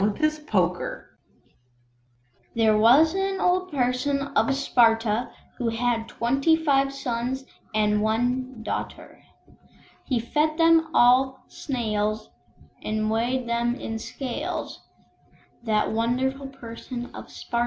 There was an Old Person of Sparta, Who had twenty five sons and one "darter;" He fed them on Snails, and weighed them in scales, That wonderful Person of Sparta.